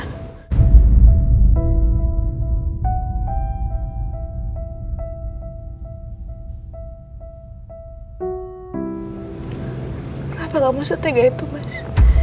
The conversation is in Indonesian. kenapa kamu setengah itu mas